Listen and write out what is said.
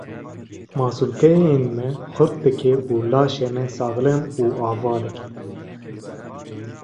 Masûlkeyên me xurt dike û laşê me saxlem û ava dike.